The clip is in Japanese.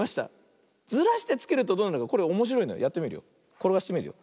ころがしてみるよ。